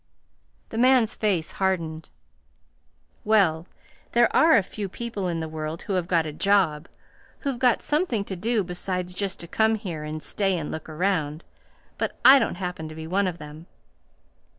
The man's face hardened. "Well, there are a few people in the world who have got a job who've got something to do besides just to come here and stay and look around; but I don't happen to be one of them."